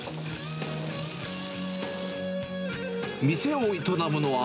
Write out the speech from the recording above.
店を営むのは、